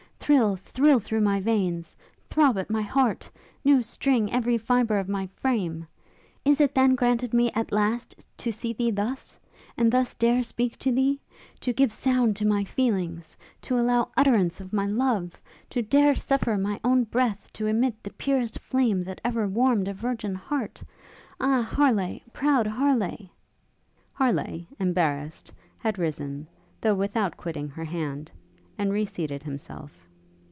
thrill, thrill through my veins! throb at my heart! new string every fibre of my frame! Is it, then, granted me, at last, to see thee thus? and thus dare speak to thee? to give sound to my feelings; to allow utterance of my love? to dare suffer my own breath to emit the purest flame that ever warmed a virgin heart? Ah! Harleigh! proud Harleigh! ' Harleigh, embarrassed had risen, though without quitting her hand, and re seated himself.